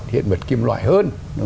hiện vật kim loại hơn